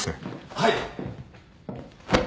はい。